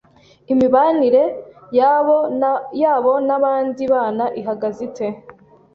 Imibanire yabo n’abandi bana ihagaze ite